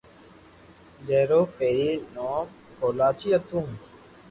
جي رو پيلي نوم ڪولاچي ھتو